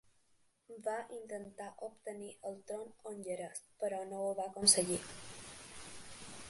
Va intentar obtenir el tron hongarès però no ho va aconseguir.